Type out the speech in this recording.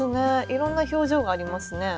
いろんな表情がありますね。